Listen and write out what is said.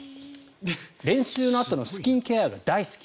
練習のあとのスキンケアが大好き。